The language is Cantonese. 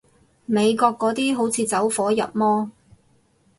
美國嗰啲好似走火入魔